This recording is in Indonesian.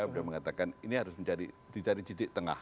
beliau mengatakan ini harus dicari titik tengah